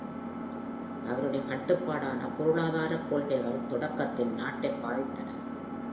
அவருடைய கட்டுப்பாடான பொருளாதாரக் கொள்கைகள் தொடக்கத்தில் நாட்டைப் பாதித்தன.